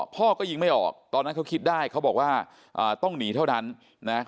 พ่อก็ยิงไม่ออกตอนนั้นเขาคิดได้เขาบอกว่าต้องหนีเท่านั้นนะ